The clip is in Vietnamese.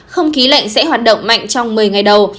không khí lạnh sẽ hoạt động mạnh trong một mươi ngày đầu